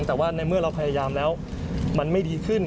แต่ว่าในเมื่อเราพยายามแล้วมันไม่ดีขึ้น